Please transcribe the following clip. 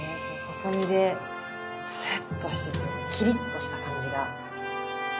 細身でスッとしててキリッとした感じが。